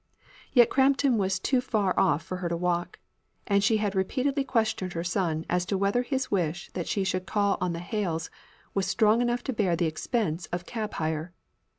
Yet Crampton was too far off for her to walk; and she had repeatedly questioned her son as to whether his wish that she should call on the Hales was strong enough to bear the expense of cab hire.